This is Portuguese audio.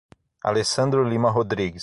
Alessandro Lima Rodrigues